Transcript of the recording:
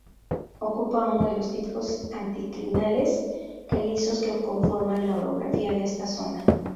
Ocupa uno de los típicos anticlinales calizos que conforman la orografía de esta zona.